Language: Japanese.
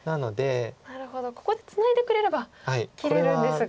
なるほどここでツナいでくれれば切れるんですが。